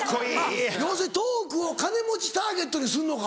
要するにトークを金持ちターゲットにするのか。